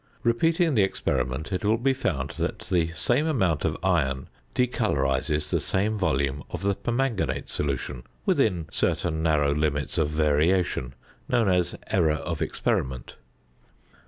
Repeating the experiment, it will be found that the same amount of iron decolorises the same volume of the permanganate solution within certain narrow limits of variation, known as "error of experiment."